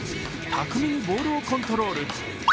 巧みにボールをコントロール。